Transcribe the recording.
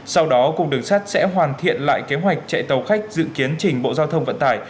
sau đó cùng đường sắt sẽ hoàn thiện lại kế hoạch chạy tàu khách dự kiến trình bộ giao thông vận tải